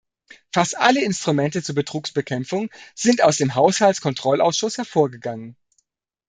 Fast alle Instrumente zur Betrugsbekämpfung sind aus dem Haushaltskontrollausschuss hervorgegangen.